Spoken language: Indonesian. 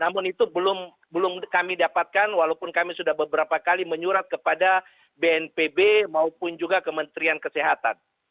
namun itu belum kami dapatkan walaupun kami sudah beberapa kali menyurat kepada bnpb maupun juga kementerian kesehatan